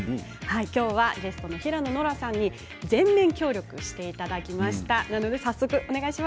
今日はゲストの平野ノラさんに全面協力していただきました。